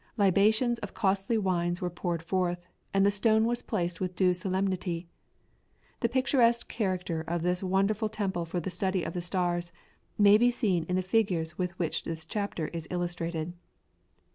Libations of costly wines were poured forth, and the stone was placed with due solemnity. The picturesque character of this wonderful temple for the study of the stars may be seen in the figures with which this chapter is illustrated.